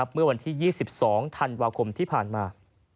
เมื่อวันที่๒๒ธันวาคมที่ผ่านมา